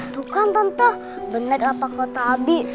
tuh kan tante bener apa kata abi